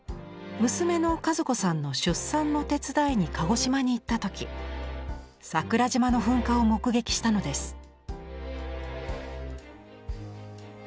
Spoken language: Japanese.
娘の和子さんの出産の手伝いに鹿児島に行った時桜島の噴火を目撃したのです。